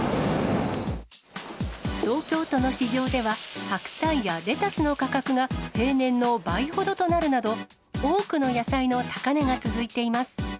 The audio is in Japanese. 東京都の市場では、白菜やレタスの価格が平年の倍ほどとなるなど、多くの野菜の高値が続いています。